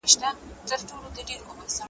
نه مي چیغي سوای تر کوره رسېدلای ,